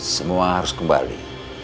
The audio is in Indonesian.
semua harus kembali